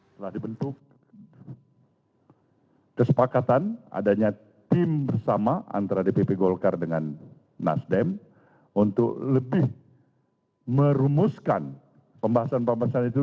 telah dibentuk kesepakatan adanya tim bersama antara dpp golkar dengan nasdem untuk lebih merumuskan pembahasan pembahasan itu